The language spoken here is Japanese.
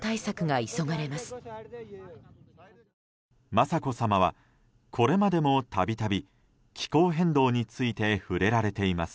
雅子さまは、これまでも度々気候変動について触れられています。